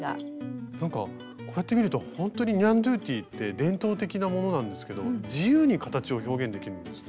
なんかこうやって見るとほんとにニャンドゥティって伝統的なものなんですけど自由に形を表現できるんですね。